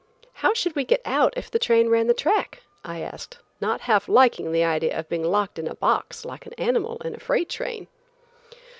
"How should we get out if the train ran the track?" I asked, not half liking the idea of being locked in a box like an animal in a freight train.